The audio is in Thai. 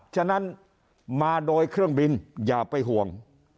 ฉะนั้นมาโดยเครื่องบินอย่าไปห่วง